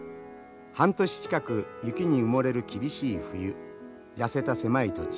半年近く雪に埋もれる厳しい冬痩せた狭い土地。